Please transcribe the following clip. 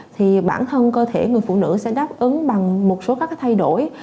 thì bản thân cơ thể người phụ nữ sẽ đáp ứng bằng một số các thay đổi